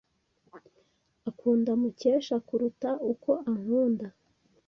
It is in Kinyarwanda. Akunda Mukesha kuruta uko ankunda.